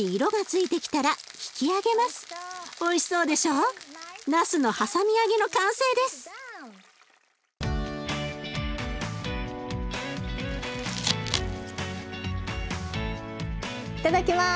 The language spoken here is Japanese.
いただきます！